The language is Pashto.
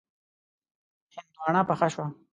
هندواڼه پخه شوه.